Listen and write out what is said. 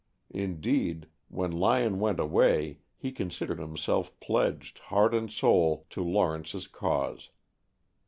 Indeed, when Lyon went away he considered himself pledged, heart and soul, to Lawrence's cause.